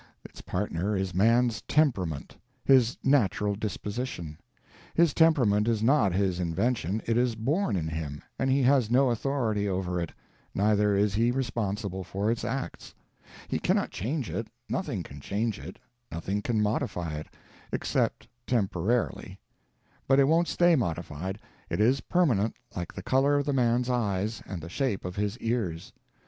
Its partner is man's temperament—his natural disposition. His temperament is not his invention, it is _born _in him, and he has no authority over it, neither is he responsible for its acts. He cannot change it, nothing can change it, nothing can modify it—except temporarily. But it won't stay modified. It is permanent, like the color of the man's eyes and the shape of his ears.